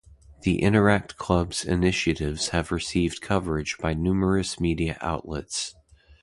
The Interact Club's initiatives have received coverage by numerous media outlets.